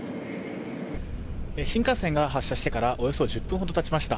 新幹線が発車してからおよそ１０分ほどたちました。